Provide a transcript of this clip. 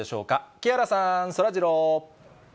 木原さん、そらジロー。